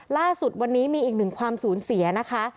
ล่าสุดวันนี้มีอีกหนึ่งความสูญเสียนะคะ